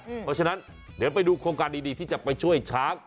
เพราะฉะนั้นเดี๋ยวไปดูโครงการดีที่จะไปช่วยช้าง